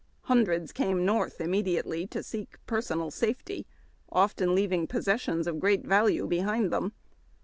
Hundreds came North im mediately to seek personal safety, often leaving jiossessions of great value behind them.